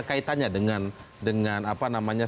kaitannya dengan apa namanya